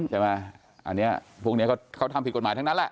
ใช่ไหมอันนี้พวกนี้เขาทำผิดกฎหมายทั้งนั้นแหละ